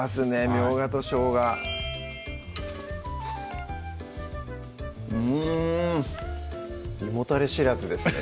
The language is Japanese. みょうがとしょうがうん胃もたれ知らずですね